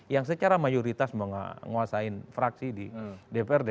yang secara mayoritas menguasai fraksi di dprd